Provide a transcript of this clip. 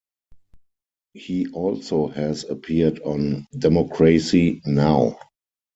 He also has appeared on Democracy Now!